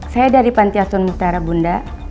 saya dari pantiasun mutara bunda